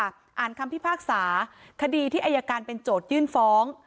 อ่านคำพิพากษาคดีที่อายการเป็นโจทยื่นฟ้อง